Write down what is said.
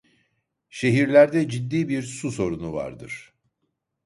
Şehirde ciddi bir su sorunu vardır.